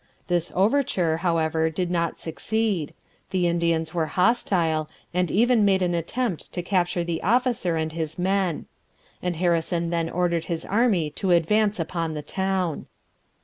This overture, however, did not succeed; the Indians were hostile, and even made an attempt to capture the officer and his men. And Harrison then ordered his army to advance upon the town.